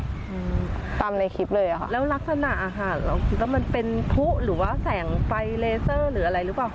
อืมตามในคลิปเลยอ่ะค่ะแล้วลักษณะอาหารเราคิดว่ามันเป็นพลุหรือว่าแสงไฟเลเซอร์หรืออะไรหรือเปล่า